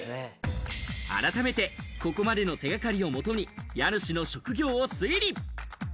改めてここまでの手掛かりをもとに家主の職業を推理。